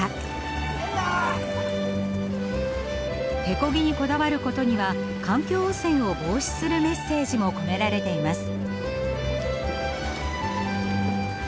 手漕ぎにこだわることには環境汚染を防止するメッセージも込められています。